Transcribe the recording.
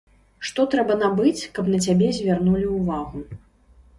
Што трэба набыць, каб на цябе звярнулі ўвагу?